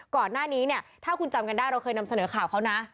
ก่อนหน้านี้เนี่ยถ้าคุณจำกันได้เราเคยนำเสนอข่าวเขานะ